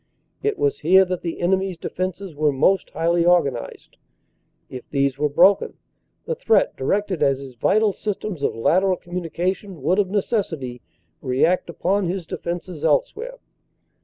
It was here that the enemy s defenses were most highly organized. If these were broken, the threat directed at his vital systems of lateral communication would of necessity react upon his defenses elsewhere.